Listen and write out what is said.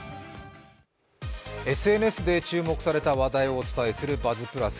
ＳＮＳで注目された話題をお伝えする「バズプラス」。